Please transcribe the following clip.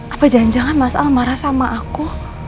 apa janjangan mas al marah sama aku